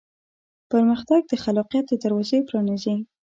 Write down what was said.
پرمختګ د خلاقیت دروازې پرانیزي.